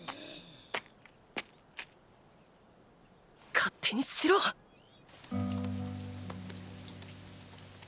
勝手にしろッ！